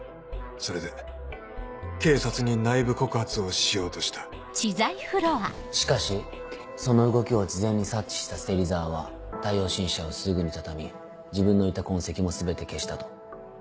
それで警察に内部告発をしようとしたしかしその動きを事前に察知した芹沢は太陽新社をすぐに畳み自分のいた痕跡も全て消したと。